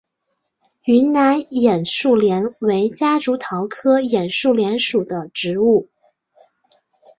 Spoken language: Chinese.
云南眼树莲为夹竹桃科眼树莲属的植物。